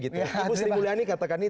ibu sri mulyani katakan ini